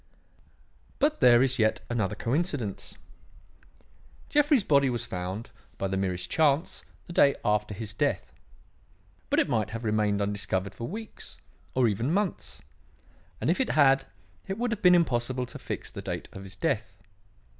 "But there is yet another coincidence. Jeffrey's body was found, by the merest chance, the day after his death. But it might have remained undiscovered for weeks, or even months; and if it had, it would have been impossible to fix the date of his death.